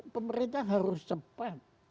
pemerintah harus cepat